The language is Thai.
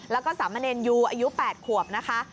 แล้วก็สามเณรยูอายุ๘ขวบนะคะ